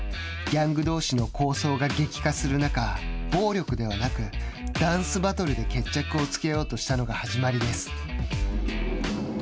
ギャングどうしの抗争が激化する中暴力ではなく、ダンスバトルで決着をつけようとしたのが始まりです。